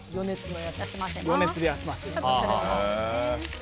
余熱で休ませます。